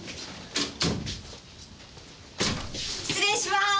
失礼しまーす！